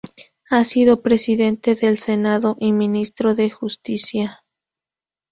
Ha sido presidente del Senado y ministro de Justicia.